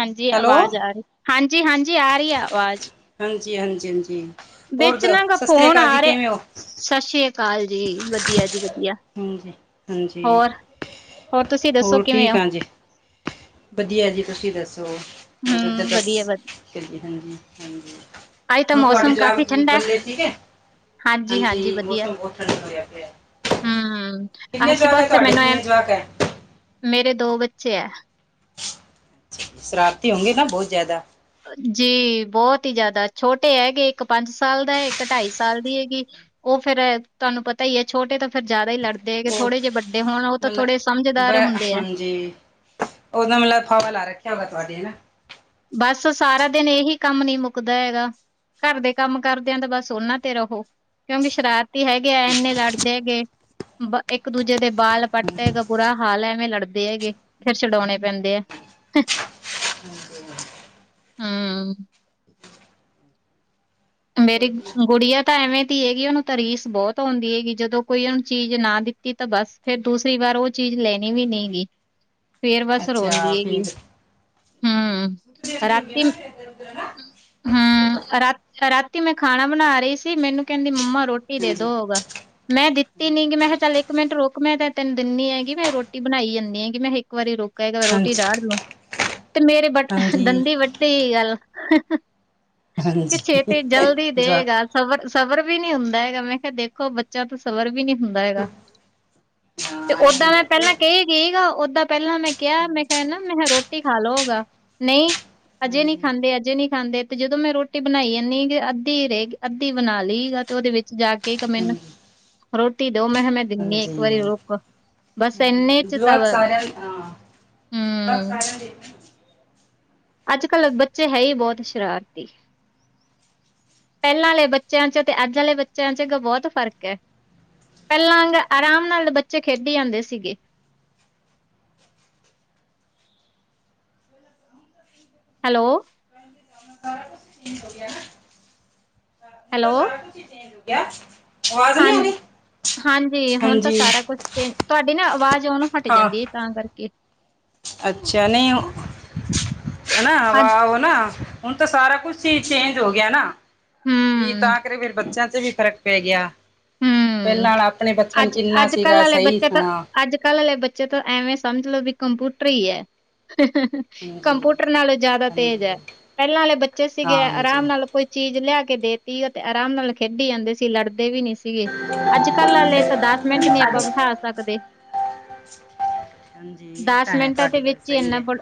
ਹਾਂਜੀ ਹੈਲੋ ਆਵਾਜ਼ ਆ ਰਹੀ ਹਾਂਜੀ, ਹਾਂਜੀ ਆ ਰਹੀ ਆ ਆਵਾਜ਼ ਹਾਂਜੀ ਹਾਂਜੀ ਹਾਂਜੀ ਹੋਰ ਵਿੱਚ ਨਾ ਗ ਸਤਿ ਸ੍ਰੀ ਫੋਨ ਅਕਾਲ ਜੀ ਆ ਰਿਹਾ ਕਿਵੇਂ ਹੋ ਸਤਿ ਸ਼੍ਰੀ ਅਕਾਲ ਸਤ ਸ੍ਰੀ ਅਕਾਲ ਜੀ ਵਧੀਆ ਜੀ ਵਧੀਆ ਹਾਂਜੀ। ਹਾਂਜੀ ਹੋਰ, ਹੋਰ ਤੁਸੀਂ ਦੱਸੋ ਹੋਰ ਕਿਵੇਂ ਠੀਕ ਹੋ? ਹਾਂ ਜੀ ਵਧੀਆ ਜੀ ਤੁਸੀਂ ਦੱਸੋ ਦਧ ਹਮ ਦੱਸ ਵਧੀਆ ਵਧੀਆ ਚ ਹਾਂਜੀ, ਹਾਂਜੀ ਅੱਜ ਤਾਂ ਹਣ ਤੁਹਾਡੇ ਮੌਸਮ ਕਾਫੀ ਜਵਾਕ ਠੰਡਾ ਬੱਲੇ ਠੀਕ ਹੈ, ਹਾਂਜੀ ਮੌਸਮ ਬਹੁਤ ਠੰਡਾ ਹੋਹਾ ਪਿਆ ਹਮ ਕਿੰਨੇ ਆਸੇ ਜਵਾਕ ਹੈ ਪਾਸੇ ਤੁਹਾਡੇ ਮੈਨੂੰ ਐਂ ਕਿੰਨੇ ਜਵਾਕ ਹੈ। ਚੇ ਹੈ। ਸ਼ਰਾਰਤੀ ਹੋੋਂਣ ਗੇ ਨਾ ਬਹੁਤ ਜ਼ਿਆਦਾ। ਜੀ ਬਹੁਤ ਹੀ ਜ਼ਿਆਦਾ ਛੋਟੇ ਹੈਗੇ ਇੱਕ ਪੰਜ ਸਾਲ ਦਾ ਹੈ, ਇੱਕ ਢਾਈ ਸਾਲ ਦੀ ਹੈਗੀ ਉਹ ਫੇਰ ਤੁਹਾਨੂੰ ਪਤਾ ਹੀ ਹੈ ਛੋਟੇ ਤਾਂ ਫੇਰ ਜ਼ਿਆਦਾ ਹੀ ਲੜਦੇ ਹੈਗੇ ਉਹ ਥੋੜੇ ਜਿਹੇ ਵੱਡੇ ਹੋਣ ਉਹ ਤਾਂ ਥੋੜੇ ਮਤਲਬ ਸਮਝਦਾਰ ਹੁੰਦੇ ਆ ਹਾਂਜੀ ਦਾ ਮਤਲਬ ਫਾਵਾ ਲਾ ਰੱਖਿਆ ਵੇ। ਤੁਹਾਡੀ ਨਾ ਬਸ ਸਾਰਾ ਦਿਨ ਇਹੀ ਕੰਮ ਨਹੀਂ ਮੁੱਕਦਾ ਹੈਗਾ, ਘਰ ਦੇ ਕੰਮ ਕਰਦਿਆਂ ਤਾਂ ਬਸ ਉਹਨਾਂ ਤੇ ਰਹੋ ਕਿਉਂਕਿ ਸ਼ਰਾਰਤ ਹੈਗੇ ਆ ਇੰਨੇ ਹਾਂਜੀ ਲੜਦੇ ਹੈਗੇ ਬ ਇੱਕ ਦੂਜੇ ਦੇ ਬਾਲ ਪੱਟ ਹੈਗਾ ਬੁਰਾ ਹਾਲ ਐਵੇਂ ਲੜਦੇ ਹੈਗੇ ਫਿਰ ਛਡਾਉਣੇ ਪੈਂਦੇ ਆ। ਹੂੰ ਮੇਰੀ ਹੋਰ ਜੀ ਗੁੜੀਆਂ ਤਾਂ ਐਵੇਂ ਤ ਹੈਗੀ ਉਹਨੂੰ ਤਾਰੀਸ ਬਹੁਤ ਆਉਂਦੀ ਹੈਗੀ ਜਦੋਂ ਕੋਈ ਉਹਨੂੰ ਚੀਜ਼ ਨਾ ਦਿੱਤੀ ਤਾਂ, ਬਸ ਫਿਰ ਦੂਸਰੀ ਵਾਰ ਉਹ ਚੀਜ਼ ਲੈਣੀ ਵੀ ਨਹੀਂ ਹੇਗੀ। ਫੇਰ ਬਸ ਅੱਛਾ ਰੋਂਦੀ ਹੈ ਵੀ ਠੀਕ ਹੂੰ। ਦੇਂਦੀ ਹੁੰਦੀ ਰਾਤੀ, ਨਾ ਫਿਰ ਇੱਧਰ ਉੱਧਰ ਨਾ ਹੂੰ ਰਾਤੀ ਮੈਂ ਖਾਣਾ ਬਣਾ ਰਹੀ ਸੀ। ਮੈਨੂੰ ਕਹਿੰਦੀ ਮੰਮਾ ਰੋਟੀ ਦੇ ਦੋ ਹਾਂਜੀ ਹੋਗਾ। ਮੈਂ ਦਿੱਤੀ ਨੀ ਗੀ। ਮੈਂ ਕਿਹਾ ਚੱਲ ਇੱਕ ਮਿੰਟ ਰੁੱਕ ਮੈਂ ਤਾਂ ਤੈਨੂੰ ਦਿੰਨੀ ਹੈਂਗੀ। ਮੈਂ ਰੋਟੀ ਬਣਾਈ ਜਾਂਦੀ ਹੈਗੀ। ਮੈਂ ਕਿਹਾ ਇੱਕ ਵਾਰੀ ਰੁੱਕ ਕਹਿ ਕੇ ਰੋਟੀ ਹਾਂਜੀ ਰਾੜ ਲੂ, ਤੇ ਮੇਰੇ ਵੰਢ, ਹਾਂਜੀ ਦੰਦੀ ਵੱਢੀ। ਗੱਲ [unintelligible] ਹਾਂਜੀ। ਕੇਤੀ ਜਲਦੀ ਜਾ ਦੇਗਾ। ਸਬਰ ਸਬਰ ਵੀ ਨੀ ਹੁੰਦਾ ਹੈਗਾ। ਮੈਂ ਕਿਹਾ ਦੇਖੋ ਬੱਚਿਆਂ ਤੋਂ ਸਬਰ ਵੀ ਨੀ ਹੁੰਦਾ ਹੈਗਾ। ਤੇ ਹਾਂ ਓਦਾਂ ਐਵੇਂ ਮੈਂ ਕਰਦੇ ਪਹਿਲਾਂ ਆ ਬੱਚੇ ਕਹੀ ਗਈ। ਓਦਾਂ ਪਹਿਲਾਂ ਮੈਂ ਕਿਹਾ- ਮੈਂ ਕਿਹਾ ਨਾ ਮੈਂ ਕਿਹਾ ਰੋਟੀ ਖਾ ਲਓਗਾ। ਨਹੀਂ, ਅਜੇ ਨੀ ਹਾਂਜੀ ਖਾਂਦੇ, ਅਜੇ ਨਹੀਂ ਖਾਂਦੇ ਤੇ ਜਦੋਂ ਮੈਂ ਰੋਟੀ ਰੋਟੀ ਬਣਾਈ ਆਨੀ ਕਿ ਅੱਧੀ ਰਹਿ, ਅੱਧੀ ਬਣਾ ਲਈ ਗ ਤੇ ਉਹਦੇ ਵਿੱਚ ਜਾ ਕੇ, ਕੇ ਮੈਨੂੰ ਹਾਂਜੀ ਰੋਟੀ ਦੋ। ਮੈਂ ਕਿਹਾ ਮੈਂ, ਮੈਂ ਦਿੰਦੀ ਹਾਂ ਇੱਕ ਹਾਂਜੀ ਵਾਰੀ ਰੁਕ। ਬਸ ਇੰਨੇ ਚ ਤਾਂ [unintelligible] ਅੱਜ-ਕੱਲ੍ਹ ਬੱਚੇ ਹੈ ਹੀ ਬਹੁਤ ਸ਼ਰਾਰਤੀ। ਪਹਿਲਾਂ ਵਾਲੇ ਬੱਚਿਆਂ ਚ ਤੇ ਅੱਜ ਵਾਲੇ ਬੱਚਿਆਂ ਚ ਅੱਗੋਂ ਬਹੁਤ ਫ਼ਰਕ ਹੈ। ਪਹਿਲਾਂ ਆਰਾਮ ਨਾਲ ਬੱਚੇ, ਖੇਡੀ ਜਾਂਦੇ ਸੀਗੇ। ਹੈਲੋ। ਚੇਂਜ ਹੋ ਗਿਆ ਨਾ ਹੈਲੋ। ਤੈਨੂੰ ਕਿਹਾ ਹਾਂਜੀ, ਹਾਂਜੀ ਹੁਣ ਤਾਂ ਹਾਂਜੀ ਸਾਰਾ ਕੁਛ ਚੇਂਜ ਤੁਹਾਡੀ ਨਾ ਆਵਾਜ਼ ਤੇ ਆਉਣੋ ਹੱਟੀ ਹਾਂ ਜਾਂਦੀ ਏ ਤਾਂ ਕਰਕੇ ਅੱਛਾ, ਨਹੀਂ ਹੈਨਾ ਅੱਜ [unintelligible] ਹੁਣ ਤਾਂ ਸਾਰਾ ਕੁਛ ਹੀ ਚੇਂਜ ਹੋ ਗਿਆ ਨਾ। ਵੀ ਹੂੰ, ਤਾਂ ਕਰੇ ਫਿਰ ਬੱਚਿਆਂ ਤੇ ਵੀ ਫ਼ਰਕ ਪੈ ਗਿਆ। ਹੂੰ, ਪਹਿਲਾਂ ਆਲਾ ਆਪਣੇ ਬਚਪਨ ਅੱਜ ਕਿੰਨਾ ਅੱਜ-ਕੱਲ੍ਹ ਸੀਗਾ ਆਲੇ ਸਹੀ, ਬੱਚੇ ਤਾਂ ਹਾਂ। ਅੱਜ-ਕੱਲ੍ਹ ਆਲੇ ਬੱਚੇ ਤੋਂ ਐਵੇਂ ਸਮਝ ਲੋੋ ਵੀ ਕੰਪੂਟਰ ਹੀ ਹੈ। ਹਾਂਜੀ ਕੰਮਪੂਟਰ ਨਾਲੋਂ ਜ਼ਿਆਦਾ ਤੇਜ਼ ਹੈ। ਹਾਂਜੀ ਪਹਿਲਾਂ ਵਾਲੇ ਬੱਚੇ ਸੀਗੇ, ਹਾਂਜੀ ਆਰਾਮ ਨਾਲ ਕੋਈ ਚੀਜ਼ ਲਿਆ ਕੇ ਦੇਤੀ ਐ ਤੇ ਆਰਾਮ ਨਾਲ ਖੇਡੀ ਜਾਂਦੇ ਸੀ। ਲੜਦੇ ਵੀ ਨੀ ਸੀਗੇ, ਅੱਜ-ਕੱਲ ਆਲੇ ਤਾਂ ਦਸ ਮਿੰਟ ਨੀ ਆਪਾਂ ਹਾਂਜੀ ਬਿਠਾ ਸਕਦੇ। ਹਾਂਜੀ ਇਹ ਦਸ ਤਾਂ ਹੈ ਮਿੰਟਾਂ ਦੇ ਤੁਹਾਡੀ ਗੱਲ ਵਿੱਚ ਹੀ ਸਹੀ ਇਨਾ ਹੈ ਬ,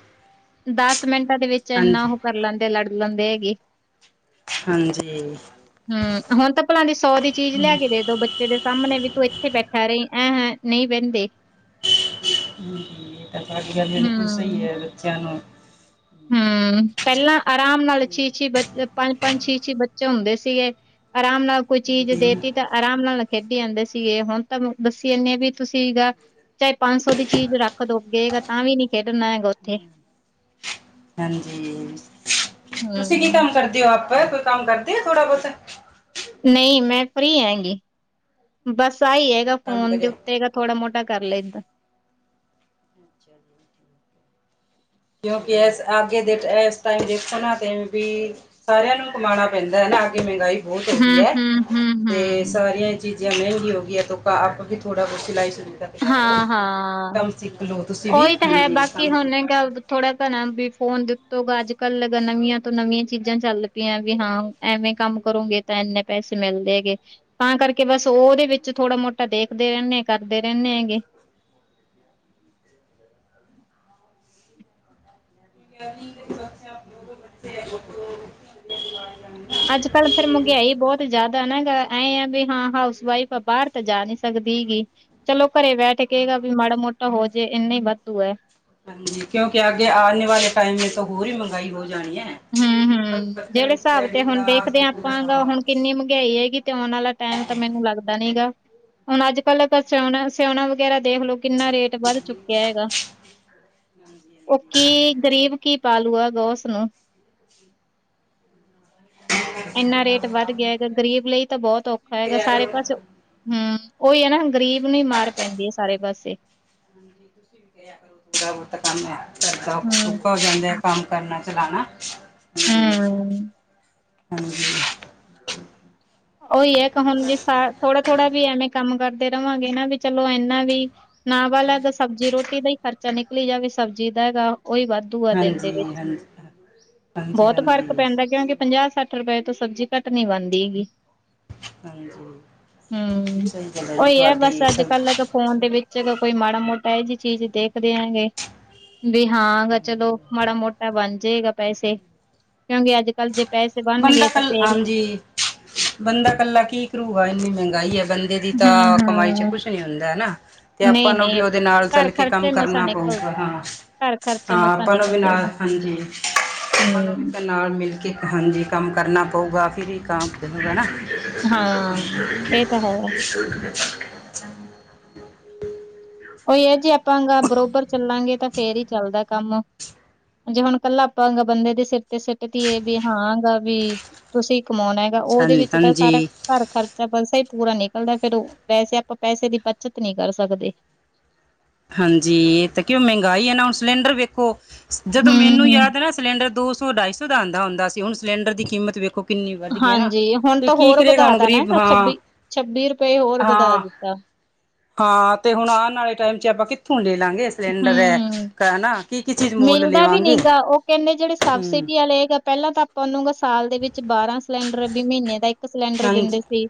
ਦਸ ਮਿੰਟਾਂ ਦੇ ਵਿੱਚ ਇੰਨਾ ਹਾਂਜੀ ਉਹ ਕਰ ਲੈਂਦੇ, ਲੜ ਲੰਦੇ ਹੈਗੇ। ਹਾਂਜੀ ਹਾਂਜੀ ਹੂੰ, ਹੁਣ ਤਾਂ ਭਲਾ ਦੀ ਸੌ ਦੀ ਚੀਜ਼ ਲੈ ਕੇ ਦੇ ਦੋ ਬੱਚੇ ਦੇ ਸਾਹਮਣੇ ਵੀ ਤੂੰ ਇੱਥੇ ਬੈਠਾ ਰਹੀ। ਅ-ਹਹ ਨਹੀਂ ਬਹਿੰਦੇ। ਹੂੰ, ਇਹ ਤਾਂ ਤੁਹਾਡੀ ਗੱਲ ਬਿਲਕੁਲ ਸਹੀ ਹੂੰ, ਹੈ। ਬੱਚਿਆਂ ਨੂੰ ਹੂੰ ਪਹਿਲਾ ਆਰਾਮ ਨਾਲ ਚੀਚੀ ਬੱਚੇ ਪੰਜ-ਪੰਜ, ਛੀ- ਛੀ, ਬੱਚੇ ਹੁੰਦੇ ਸੀਗੇ। ਆਰਾਮ ਨਾਲ ਕੋਈ ਚੀਜ਼ ਜੀ ਦੇਤੀ ਤਾਂ ਆਰਾਮ ਨਾਲ ਖੇਡੀ ਜਾਂਦੇ ਸੀਗੇ ਹੁਣ ਤਾਂ ਦੱਸੀ ਜਾਂਦੇ ਹਾਂ ਵੀ ਤੁਸੀਂ ਗਾ ਚਾਹੇ ਪੰਜ ਸੌ ਦੀ ਚੀਜ਼ ਰੱਖ ਦੋਗੇ ਅੱਗੇ ਤਾਂ ਵੀ ਨੀ ਖੇਡਣਾ ਹੈਗਾ ਉੱਥੇ। ਹਾਂਜੀ। ਚ-ਚ ਤੁਸੀਂ ਕੀ ਹੂੰ। ਕੰਮ ਕਰਦੇ ਹੋ ਆਪ। ਬਸ ਕੋਈ ਕੰਮ ਕਰਦੀ ਆ ਥੋੜ੍ਹਾ ਬਹੁਤ। ਨਹੀਂ ਮੈਂ ਫਰੀ ਹੈਂਗੀ ਬਸ। ਸਹੀ ਹੈਗਾ ਕੰਮ ਫੋਨ ਦੇ ਕਰਿਆ ਉੱਤੇ ਹੈਗਾ ਥੋੜ੍ਹਾ ਮੋਟਾ ਕਰ ਲੇ। [inaudible] ਕਿਉਂਕਿ ਇਸ ਅੱਗੇ ਦੇ ਇਸ ਟਾਈਮ ਦੇਖੋ ਨਾ ਤੇ ਵੀ ਸਾਰਿਆਂ ਨੂੰ ਕਮਾਉਣਾ ਪੈਂਦਾ ਹੈ ਨਾ ਅਗੇ ਮਹਿੰਗਾਈ। ਬਹੁਤ ਹੋਗੀ ਹੂੰ, ਹੈ। ਹੂੰ, ਹੂੰ, ਤੇ ਹੂੰ, ਸਾਰੀਆਂ ਚੀਜ਼ਾਂ ਜੀ ਮਹਿੰਗੀ ਹੋਗੀ ਹੈ ਤਾਂ ਆਪਾਂ ਵੀ ਥੋੜ੍ਹਾ ਬਹੁਤ ਸਲਾਈ ਚ। ਹਾਂ-ਹਾਂ। ਉਹੀ ਤਾਂ ਹੈ ਬਾਕੀ ਹੁਣ ਗਾ ਥੋੜ੍ਹਾ ਘਣਾ ਵੀ ਫੋਨ। ਦਿੱਤੋ ਅੱਜ ਕੱਲ ਨਵੀਆਂ ਤੋਂ ਨਵੀਆਂ ਚੀਜ਼ਾਂ ਚੱਲ ਪਈਆਂ ਵੀ ਹਾਂ ਐਵੇਂ ਕੰਮ ਕਰੋਂਗੇ ਤਾਂ ਇੰਨੇ ਪੈਸੇ ਮਿਲਦੇ ਹੈਗੇ ਤਾਂ ਕਰਕੇ ਬਸ ਉਹਦੇ ਵਿੱਚ ਥੋੜ੍ਹਾ ਮੋਟਾ ਦੇਖਦੇ ਰਹਿੰਦੇ ਕਰਦੇ ਰਹਿੰਦੇ ਹੈਗੇ। [inaudible] ਅੱਜ ਕੱਲ ਫੇਰ ਮਹਿੰਗਾਈ ਬਹੁਤ ਜ਼ਿਆਦਾ ਨਾ ਗ। ਐਏਂ ਆ ਵੀ ਹਾਂ ਹਾਊਸ ਵਾਈਫ ਆ ਬਾਹਰ ਤਾਂ ਜਾ ਨਹੀਂ ਸਕਦੀ ਹੇਗੀ ਚਲੋ ਘਰੇ ਬੈਠ ਕੇ ਵੀ ਮਾੜਾ ਮੋਟਾ ਹੋਜੇ ਇੰਨਾ ਹੀ ਵਾਧੂ ਹੈ। ਕਿਉਂ ਕਿਹਾ ਕਿ ਆਨੇ ਵਾਲੇ ਟਾਈਮ ਤੋਂ ਹੋਰ ਵੀ ਮੰਗਾਈ ਹੋ ਹੂੰ-ਹੂੰ ਜਿਹੜੇ ਹਿਸਾਬ ਤੇ ਹੁਣ ਦੇਖਦੇ ਹਾਂ ਆਪਾਂ ਹੁਣ ਕਿੰਨੀ ਮਹਿੰਗਾਈ ਹੈਗੀ ਤੇ ਆਉਣ ਵਾਲਾ ਟਾਈਮ ਤਾਂ ਮੈਨੂੰ ਲੱਗਦਾ ਨੀ ਗਾ। ਹੁਣ ਅੱਜ ਕੱਲ ਆਪਾਂ ਸਿਓਨਾ ਸਿਆਉਣਾ ਵਗੈਰਾ ਦੇਖ ਲਓ ਕਿੰਨਾ ਰੇਟ ਵੱਧ ਚੁੱਕਿਆ ਹੈਗਾ ਉਹ ਕੀ ਗਰੀਬ ਕੀ ਪਾਲੂਗਾ ਓਸ ਨੂੰ ਇੰਨਾ ਰੇਟ ਵੱਧ ਗਿਆ ਹੈਗਾ ਗ਼ਰੀਬ ਲਈ ਤਾਂ ਬਹੁਤ ਔਖਾ ਹੈਗਾ ਕਰਿਆ ਕਰੋ ਸਾਰੇ ਨਾ ਪਾਸੇ। ਹੂੰ ਉਹੀ ਹੈ ਨਾ। ਗਰੀਬ ਨੂੰ ਹੀ ਮਾਰ ਪੈਂਦੀ ਹੈ ਸਾਰੇ ਪਾਸੇ [unintelligible] ਹੂੰ [unintelligible] ਦਿਖਾਣਾ। ਹੂੰ [unintelligible] [unintelligible] [unintelligible] ਰਵਾਂਗੇ ਨਾ ਵੀ ਚਲੋ ਇੰਨਾ ਵੀ ਨਾ ਵਾਲ ਲਾ ਤਾਂ ਸਬਜ਼ੀ ਰੋਟੀ ਦਾ ਹੀ ਖਰਚਾ ਨਿਕਲੀ ਜਾਵੇ ਸਬਜ਼ੀ ਦਾ ਹੈਗਾ। ਉਹੀ ਵਾਧੂ ਆ ਦਿਨ ਦੇ ਹਾਂਜੀ ਵਿੱਚ ਹਾਂਜੀ ਹਾਂਜੀ ਹਾਂਜੀ ਬਹੁਤ ਫ਼ਰਕ ਹਾਂਜੀ ਪੈਂਦਾ ਕਿਉਂਕਿ ਪੰਜਾਹ-ਸੱਠ। ਸਠ ਰੁਪਏ ਤੋਂ ਸਬਜ਼ੀ ਘੱਟ ਨੀ ਬਣਦੀ ਹੈਗੀ। ਹਮ ਸਹੀ ਗੱਲ ਜੀ ਉਹੀ ਹੈ ਬਸ ਤੁਹਾਡੀ ਸ ਅੱਜ ਕੱਲ੍ਹ ਫੋਨ ਦੇ ਵਿੱਚ। ਕੋਈ ਮਾੜਾ ਮੋਟਾ ਇਹ ਜਿਹੀ ਚੀਜ਼ ਦੇਖਦੇ ਹੈਗੇ ਵੀ ਹਾਂਗਾ ਚਲੋ ਹਾਂਜੀ ਮਾੜਾ ਮੋਟਾ ਬਣ ਜਾ ਜੇਗਾ ਪੈਸੇ। ਕਿਉਂਕਿ ਅੱਜ, ਕੱਲ੍ਹ ਜੇ ਪੈਸੇ ਬਣਨਗੇ ਬੰਦਾ ਤਾਂ ਕੱਲ ਫੇਿਰ ਹਾਂਜੀ ਬੰਦਾ ਇਕੱਲਾ ਕੀ ਕਰੂ ਹੈ। ਇੰਨੀ ਮਹਿੰਗਾਈ ਹੈ। ਬੰਦੇ ਦੀ ਤਾਂ ਕਮਾਈ ਚ ਹੂੰ-ਹੂੰ, ਕੁਛ ਨੀ ਹੁੰਦਾ ਹਨਾ ਤੇ ਆਪਾਂ ਨੂੰ ਵੀ ਨਹੀਂ-ਨਹੀਂ ਉਹਦੇ ਨਾਲ ਘਰ ਚੱਲ ਕੇ ਕੰਮ ਖਰਚੇ ਮਸਾਂ ਕਰਨਾ ਨਿਕਲ ਪਊਗਾ ਹਾਂ ਘਰ ਖਰਚਾ ਹਾਂ ਮਸਾਂ ਆਪਾਂ ਨੂੰ ਵੀ ਨਿਕਲਦਾ ਨਾਲ ਜੀ ਹਾਂਜੀ ਆਪਾਂ ਨੂੰ ਹੂੰ, ਵੀ ਨਾਲ ਮਿਲ ਹਾਂਜੀ ।ਕੰਮ ਕਰਨਾ ਪਊਗਾ ਫਿਰ ਵੀ ਹੋਗਾਾ। ਹਾਂ। ਇਹ ਤਾਂ ਹੈ [unintelligible] [unintelligible] ਕੋਈ ਇਹ ਜੇ ਆਪਾਂਗਾ ਬਰੋਬਰ ਚੱਲਾਂਗੇ ਤਾਂ ਫੇਰ ਹੀ ਚੱਲਦਾ ਕੰਮ--ਜੇ ਹੁਣ ਕੱਲਾ ਆਪਾਂ ਬੰਦੇ ਦੇ ਸਿਰ ਤੇ ਸਿੱਟ ਦੀਏ ਵੀ ਹਾਂ ਗ ਵੀ ਤੁਸੀਂ ਕਮਾਉਣਾ ਹੈਗਾ ਉਹਦੇ ਵਿੱਚ ਤਾਂ ਸਾਰਾ ਹਾਂਜੀ ਘਰ ਖਰਚਾ ਬਸਹੀ ਪੂਰਾ ਨਿਕਲਦਾ ਫੇਿਰ ਉਹ ਵੈਸੇ ਆਪਾਂ ਪੈਸੇ ਦੀ ਬੱਚਤ ਨਹੀਂ ਕਰ ਸਕਦੇ। ਹਾਂਜੀ। ਇਹ ਤਾਂ ਕਿਉਂ ਮਹਿੰਗਾਈ ਹੈ ਨਾ ਹੁਣ ਸਿਲੰਡਰ ਵੇਖੋ ਜਦੋਂ ਮੈਨੂੰ ਹੂੰ ਯਾਦ ਨਾ ਸਿਲੰਡਰ ਦੋ ਸ ਸ ਅਢਾਈ ਸੌ ਦਾ ਆਂਦਾ ਹੁੰਦਾ ਸੀ ਹੁਣ ਸਿਲੰਡ ਦੀ ਕੀਮਤ ਵੇਖੋ ਕਿੰਨੀ ਵੱਧ ਗਈ ਨਾ ਹਾਂਜੀ ਹੁਣ ਤੇ ਤਾਂ ਕੀ ਹੋਰ ਕਰੇਗਾ ਵਧਾ ਹੁਣ ਤਾ ਨਾ ਗਰੀਬ ਹੈਗਾ ਹਾਂ ਛੱਬੀ ਛੱਬੀ ਰੁਪਏ ਹੋਰ ਵਧਾ ਹਾਂ ਦਿੱਤਾ ਹਾਂ ਤੇ ਹੁਣ ਆਉਣ ਵਾਲੇ ਟਾਈਮ ਆਪਾਂ ਕਿੱਥੋਂ ਲੈ ਲਾਂਗੇ ਸਿਲੰਡਰ ਹੈ ਹਮ ਹਨਾ ਕੀ ਕੀ ਚੀਜ਼ ਮੁੱਲ ਮਿਲਦਾ ਵੀ ਨੀ ਲਵਾਂਗੇ ਗਾ ਉਹ ਕਹਿੰਦੇ ਜਿਹੜੇ ਹੂੰ ਸਬਸਿਡੀ ਵਾਲੇ ਹੈਗਾ ਪਹਿਲਾਂ ਤਾਂ ਆਪਾਂ ਸਾਲ ਦੇ ਵਿੱਚ ਬਾਰਾਂ ਸਿਲੰਡਰ ਵੀ ਮਹੀਨੇ ਦਾ ਇੱਕ ਸਿਲੰਡਰ ਹਾਂਜੀ ਦਿੰਦੇ ਸੀ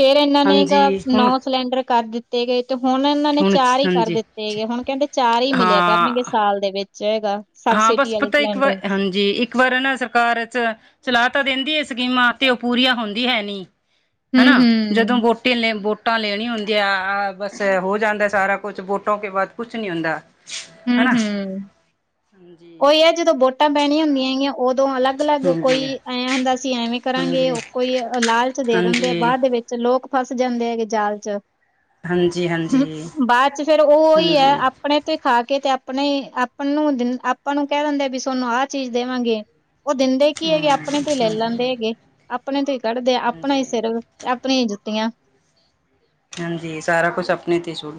ਫੇਰ ਇਹਨਾਂ ਹਾਂਜੀ ਨੇਗਾ ਹੁਣ ਨੌ ਸਿਲੰਡਰ ਕਰ ਦਿੱਤਾ ਤੇ ਗ ਤੇ ਹੁਣ ਇਹਨਾਂ ਨੇ ਹੁਣ ਚਾਰ ਹੀ ਕਰ ਹਾਂਜੀ ਦਿੱਤੇਗੇ ਹੁਣ ਕਹਿੰਦੇ ਹੀ ਮਿਲਿਆ ਕਰਨਗੇ ਹਾਂ ਸਾਲ ਦੇ ਵਿੱਚ ਹੈਗਾ ਹਾਂ ਸਬਸਿਡੀ ਬਸ ਵਾਲੇ ਪਤਾ ਇੱਕ ਸਿਲੰਡਰ। ਵਾਰ ਹਾਂਜੀ। ਇੱਕ ਵਾਰ ਨਾ ਸਰਕਾਰ ਚ ਚਲਾ ਤਾਂ ਦਿੰਦੀ ਹੈ। ਸਕੀਮਾਂ ਤੇ ਉਹ ਪੂਰੀਆਂ ਹੁੰਦੀ ਹੈ ਨਹੀ ਹਨਾ ਜਦੋਂ ਹੂੰ-ਹੂੰ, ਵੋਟੇ ਨੇੋਟ ਵੋਟਾਂ ਲੈਣੀ ਹੁੰਦੀਆਂ ਆ ਬਸ ਹੋ ਜਾਂਦਾ ਸਾਰਾ ਕੁਛ ਵੋਟਾਂ ਕੇ ਬਾਅਦ ਕੁਛ ਨੀ ਹੁੰਦਾ ਹਮ, ਹਨਾ ਹਮ। ਹਾਂਜੀ ਉਹੀ ਹੈ ਜਦੋਂ ਵੋਟਾਂ ਪੈਣੀਆਂ ਹੁੰਦੀਆਂ ਹੈਗੀਆਂ ਉਦੋਂ ਅਲੱਗ, ਅਲੱਗ ਕੋਈ ਹਾਂਜੀ ਐ ਹੁੰਦਾ ਅਸੀਂ ਐਵੇਂ ਕਰਾਂਗੇ ਹਾਂਜੀ ਕੋਈ ਲਾਲਚ ਦੇ ਦਿੰਦੇ ਹਾਂਜੀ ਬਾਅਦ ਦੇ ਵਿੱਚ ਲੋਕ ਫਸ ਜਾਂਦੇ ਹੈਗੇ ਜਾਲ ਚ ਹਾਂਜੀ ਹਾਂਜੀ ਬਾਅਦ ਚ ਫੇਰ ਉਹਹੀ ਹੈ। ਹਾਂਜੀ ਆਪਣੇ ਤੇ ਖਾ ਕੇ ਤੇ ਆਪਣੇ ਆਪਾਂ ਨੂੰ ਆਪਾਂ ਨੂੰ ਕਹਿ ਦਿੰਦੇ ਵੀ ਤੁਾਨੂੰ ਆਹ ਚੀਜ਼ ਦੇਵਾਂਗੇ ਉਹ ਦਿੰਦੇ ਕੀ ਹੈਗੇ ਆਪਣੇ ਤੋਂ ਹੀ ਲੈ ਹਮ ਹਾਂਜੀ ਲੈਂਦੇ ਹੈਗੇ ਆਪਣੇ ਤੇ ਕੱਢਦੇ ਆਪਣਾ ਹੀ ਹਾਂਜੀ ਸਿਰ ਤੇ ਆਪਣੀਆਂ ਹੀ ਜੁੱਤੀਆਂ ਹਾਂਜੀ ਸਾਰਾ ਕੁਛ ਆਪਣੇ ਤੇ ਸੂਲ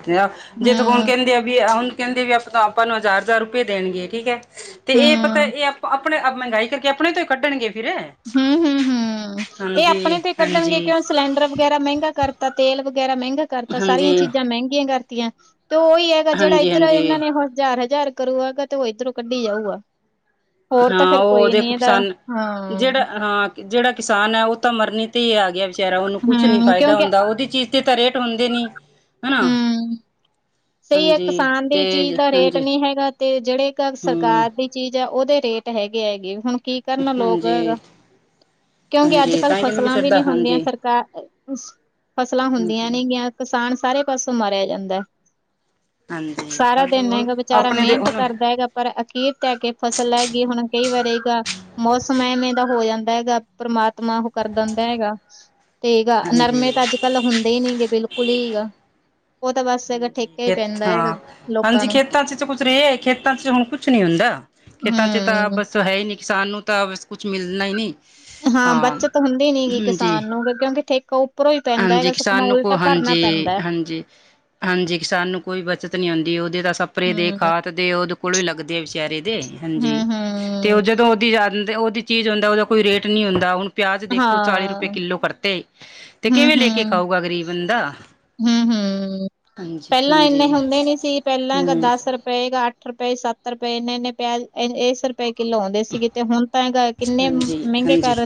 ਜੇ ਤ ਹੁਣ ਹਮ ਕਹਿੰਦੇ ਆ ਵੀ ਹੁਣ ਕਹਿੰਦੇ ਵੀ ਆਪਾਂ ਆਪਾਂ ਨੂੰ ਹਜ਼ਾਰ ਹਜ਼ਾਰ ਰੁਪਏ ਦੇਣਗੇ ਠੀਕ ਹੈ ਤੇ ਇਹ ਪਤਾ ਹਮ ਇਹ ਆਪਾਂ ਆਪਣੇ ਮਹਿੰਗਾਈ ਕਰਕੇ ਆਪਣੇ ਤੋਂ ਹੀ ਕੱਢਣਗੇ ਫਿਰ ਹਮ ਹਮ ਹਮ ਇਹ ਹਾਂਜੀ ਆਪਣੇ ਤੇ ਕੱਢਣਗੇ ਹਾਂਜੀ ਕਿ ਹੁਣ ਸਿਲੰਡਰ ਵਗੈਰਾ ਮਹਿੰਗਾ ਕਰਤਾ ਤੇਲ ਵ ਵਗੈਰਾ ਮਹਿੰਗਾ ਕਰਤਾ ਸਾਰੀਆਂ ਹਾਂਜੀ ਚੀਜ਼ਾਂ ਮਹਿੰਗੀਆਂ ਕਰ ਤਆਂ ਤੇ ਉਹੀ ਹੈਗਾ ਜਿਹੜਾ ਹਾਂਜੀ ਇੱਧਰ ਇਹਨਾਂ ਹਾਂਜੀ ਨੇ ਜਾ ਜ਼ਾਰ ਕਰੂਗਾਗਾ ਤੇ ਉਹ ਇੱਧਰੋਂ ਕੱਢੀ ਜਾਊਗਾ ਹੋਰ ਤਾਂ ਹਾਂ ਫੇਿਰ ਉਹ ਕੋਈ ਨੀ ਦੇਖੋ ਇਹਦਾ ਕਿਸਾਨ ਹਾਂ ਜਿਹੜਾ ਹਾਂ ਜਿਹੜਾ ਕਿਸਾਨ ਹੈ ਉਹ ਤਾਂ ਮਰਨੀ ਤੇ ਹੀ ਆ ਗਿਆ ਵਿਚਾਰਾ ਉਹਨੂੰ ਕੁਛ ਨ ਨਹੀਂ ਹਮ ਫਾਇਦਾ ਕਿਉਂਕਿ ਹੁੰਦਾ ਉਹਦੀ ਚੀਜ਼ ਤਾਂ ਰੇਟ ੋਂਦੇ ਨ ਹਮ ਸਹੀ ਹੈ ਹਾਂਜੀ ਕਿਸਾਨ ਦੀ ਚੀਜ਼ ਤੇ ਦਾ ਰੇਟ ਹਾਂਜੀ ਨੀ ਹੈਗਾ ਤੇ ਜਿਹੜੇ ਕ ਹਮ ਸਰਕਾਰ ਦੀ ਚੀਜ਼ ਜਾਂ ਉਹਦੇ ਰੇਟ ਹੈਗੇ ਹੈਗੇ ਵੀ ਹੁਣ ਕੀ ਕਰਨ ਲੋਕ ਹਾਂਜੀ ਕਿਉਂਕਿ ਅੱਜ ਹਾਂਜੀ ਕੱਲ ਤਾਂ ਹੀ ਕਹਿੰਦੇ ਫਸਲਾਂ ਵੀ ਸਰਦਾ ਨਹੀ ਹੁੰਦੀਆਂ ਹਾਂਜੀ ਸਰਕਾਰ ਅ ਫਸਲਾਂ ਹੁੰਦੀਆਂ ਹਾਂਜੀ ਨੇਗੀਆਂ ਕਿਸਾਨ ਸਾਰੇ ਪਾਸੋਂ ਮਾਰਿਆ ਜਾਂਦਾ ਹੈ ਹਾਂਜੀ ਸਾਰਾ ਤਾਂ ਦਿਨ ਹੁਣ ਲਹਿੰਗਾ ਵਿਚਾਰਾ ਆਪਣੇ ਦੇ ਮਿਹਨਤ ਹੁਣ ਕਰਦਾ ਹੈਗਾ ਪਰ ਅਖੀਰ ਧੈ ਕੇ ਫਸਲ ਲੈਗੀਈ ਹੁਣ ਕਈ ਵਾਰ ਇਹਗਾ ਮੌਸਮ ਐਵੇਂ ਦਾ ਹੋ ਜਾਂਦਾ ਹੈਗਾ, ਪਰਮਾਤਮਾ ਉਹ ਕਰ ਦਿੰਦਾ ਹੈਗਾ। ਤੇ ਆ ਹਾਂਜੀ ਨਰਮੇ ਤਾਂ ਅੱਜ ਕੱਲ ਹੁੰਦੇ ਹੀ ਨੀ ਗੇ ਬਿਲ- ਕੁਲੀਗਾ ਹਾਂਜੀ, ਖੇਤ ਹੈਗਾ ਹਾਂ ਲੋਕਾਂ ਹਾਂਜੀ ਨੂੰ। ਖੇਤਾਂ ਚ ਕੁੱਝ ਰਹੇ ਖੇਤਾਂ ਚ ਹੁਣ ਕੁਛ ਨੀ ਹੁੰਦਾ, ਖੇਤਾਂ ਚ ਤਾਂ ਹੂੰ ਬਸ ਹੈ ਹੀ ਨੀ। ਕਿਸਾਨ ਨੂੰ ਤਾਂ, ਬਸ ਕੁਛ ਮਿਲਣਾ ਹੀ ਨਹੀਂ। ਹਾਂ, ਬੱਚਤ ਹੁੰਦੀ ਨੀ ਗੀ ਹਾਂਜੀ ਕਿਸਾਨ ਨੂੰ ਕਿਉਂਕਿ ਠੇ- ਕ। ਹਾਂਜੀ, ਕਿਸਾਨ ਨੂੰ ਕੋ ਹਾਂਜੀ, ਪੈਂਦਾ ਹੈ। ਹਾਂਜੀ- ਹਾਂਜੀ ਕਿਸਾਨ ਨੂੰ ਕੋਈ ਬਚਤ ਨੀ ਆਉਂਦੀ ਉਹਦੇ ਤਾਂ ਸਪਰੇ ਦੇ, ਹੂੰ ਖਾਦ ਦੇ, ਉਹਦੇ ਕੋਲ ਵੀ ਲਗਦੇ ਵਿਚਾਰੇ ਦੇ ਹਾਂਜੀ ਤੇ ਹੂੰ-ਹੂੰ ਉਹ ਜਦੋਂ ਉਹਦੀ ਯਦ ਤੇ ਉਹਦੀ ਚੀਜ਼ ਹੁੰਦਾ, ਉਹਦਾ ਕੋ ਰੇਟ ਨਹੀਂ ਹੁੰਦਾ ਹੁਣ- ਪਿਆਜ਼ ਦੇਖੋ ਚਾਲੀ ਰੁਪਏ ਹਾਂ ਕਿੱਲੋ ਕਰਤੇ। ਤੇ ਕਿਵੇਂ ਲੈ ਕੇ ਖਾਊਗਾ ਗਰੀਬ ਬੰਦਾ। ਹੂੰ- ਹੂੰ ਹਾਂਜੀ ਪਹਿਲਾਂ ਇੰਨੇ ਹਾਂਜੀ ਹੁੰਦੇ ਨੀ ਸੀ ਪਹਿਲਾਂ ਗ ਹਮ ਦਸ ਰੁਪਏ ਗ ਅੱਠ- ਅੱਠੁ ਰੁਪਏ, ਸੱਤ ਰੁਪਏ ਇਨੇ ਇਨੇ ਪਿਆਜ [unintelligible] ਰੁਪਏ ਕਿੱਲੋ ਆਉਂਦੇ ਸੀਗੇ, ਤੇ ਹੁਣ ਤਾਂ [unintelligible] ਕਿੰਨੇ ਹਾਂਜੀ ਮਹਿੰਗੇ ਹਾਂਜੀ ਕਰ-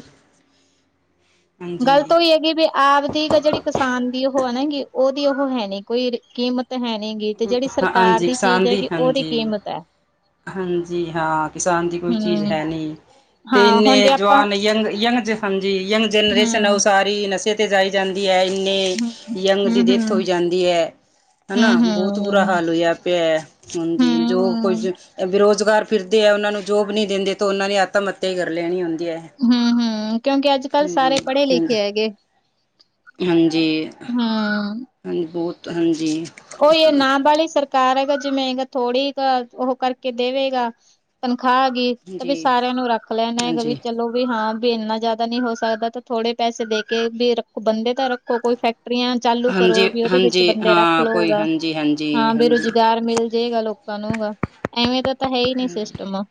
ਗੱਲ ਹਾਂਜੀ ਤਾਂ ਉਹੀ ਹੈਗੀ ਵੀ ਆਪ ਦੀ ਤੇ ਜਿਹੜੀ ਕਿਸਾਨ ਦੀ ਉਹ ਕੀ, ਉਹਦੀ ਉਹ ਹੈ ਨੀ ਕੋਈ ਕੀਮਤ। ਹੈ ਨੀ ਗੀ ਤੇ ਹੂੰ ਜਿਹੜੀ ਸਰਕਾਰ ਹਾਂਜੀ ਕਿਸਾਨ ਚੀਜ਼ ਦੀ ਹੈਗੀ ਉਹਦੀ ਹਾਂਜੀ- ਕੀਮਤ ਹੈ ਹਾਂਜੀ, ਹਾਂ ਕਿਸਾਨ ਦੀ ਕੋਈ ਚੀਜ਼ ਹੂੰ ਹੈ ਨਹੀਂ। ਤੇ ਹਾਂ ਇੰਨੇ ਹੁਣ ਜੇ ਆਪਾਂ ਜਵਾਨ ਯੰਗ ਯੰਗ ਜ ਹੰ- ਜੀ ਯੰਗ ਜਨਰੇਸ਼ਨ ਔ ਹੂੰ, ਸਾਰੀ ਨਸ਼ੇ। ਤੇ ਜਾਈ ਜਾਂਦੀ। ਯਾ ਇੰਨੇ ਹੂੰ, ਹੂੰ, ਯੰਗ ਹੂੰ, ਦੀ ਡੈਥ ਹੋਈ ਹੂੰ, ਜਾਂਦੀ ਹੈ ਹਨਾ, ਬਹੁਤ। ਤ ਬੁਰਾ ਹੂੰ। ਹਾਲ ਹੋਇਆ ਪਿਆ ਹੇ, ਹਾਂਜੀ ਹੂੰ, ਜੋ ਕੁਛ ਬੇਰੋਜ਼- ਗਾਰ ਫਿਰਦੇ ਆ ਉਹਨਾਂ ਨੂੰ ਜੋਬ ਨੀ ਦਿੰਦੇ ਤੇ ਉਹਨਾਂ ਨੇ ਆਤਮ ਹੱਤਿਆ ਹੀ ਕਰ ਲੈਣੀ ਹੁੰਦੀ । ਜੇ ਹੈ। ਹੂੰ, ਹੂੰ ਕਿਉਂਕਿ ਅੱਜ ਕੱਲ ਹਾਂਜੀ ਸਾਰੇ ਪੜੇ ਲਿਖੇ ਹਾਂਜੀ ਹੈਗੇ, ਹਾਂਜੀ ਹੂੰ। ਹਾਂਜੀ ਬਹੁਤ ਹਾਂਜੀ। ਉਹੀਓ ਨਾ ਵਾਲੀ ਸਰ ਕਾਰ ਹੈਗਾ ਜਿਵੇਂਗਾ ਥੋੜੀ ਕ ਉਹ ਕਰਕੇ ਦੇਵੇਗਾ। [unintelligible] ਖਾ ਗਈ ਤੇ ਵੀ ਜੀ ਸਾਰਿਆਂ ਨੂੰ ਰੱਖ ਲੈਣਾ ਹੈਗਾ ਵੀ ਹਾਂਜੀ ਚਲੋ ਵੀ ਹਾਂ ਵੀ ਇੰਨਾ ਜ਼ਿਆਦਾ ਨਹੀ ਹੋ ਸਕਦਾ ਤਾਂ ਥੋੜੇ ਪੈਸੇ ਦੇ ਕੇ ਵੀ ਰੱਖੋ ਬੰਦੇ ਤਾਂ ਰੱਖੋ ਕੋਈ ਫੈਕ- ਟਰੀਆਂ ਚਾਲੂ ਕਰੋ, ਹਾਂਜੀ ਵੀ ਉਹਦੇ ਵਿੱਚ ਹਾਂਜੀ ਬੰਦੇ ਰੱਖ- ਹਾਂ ਕੋਈ [unintelligible] ਹਾਂਜੀ ਹਾਂਜੀ ਹਾਂ, ਹਾਂਜੀ ਬੇਰੁਜ਼ਗਾਰ ਮਿਲ ਜਏਗਾ ਲੋਕੋ ਲੋਕਾਂ ਨੂੰਗਾ ਐਵੇਂ ਤਾਂ ਤਾਂ ਹੈਈ ਹਾਂਜੀ ਨੀਂ ਸਿਸਟਮ